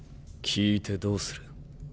聞いてどうする。